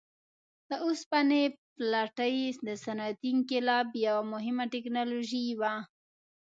د اوسپنې پټلۍ د صنعتي انقلاب یوه مهمه ټکنالوژي وه.